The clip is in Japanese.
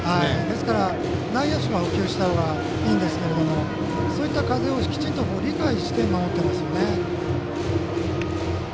内野手が捕球したらいいんですけどそういった風をきちんと理解して守ってますね。